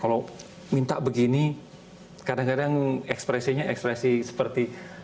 kalau minta begini kadang kadang ekspresinya ekspresi seperti